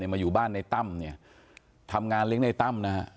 มาอยู่บ้านในตั้มเนี่ยทำงานเลี้ยงในตั้มนะฮะ